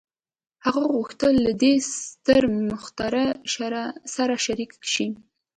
هغه غوښتل له دې ستر مخترع سره شريک شي.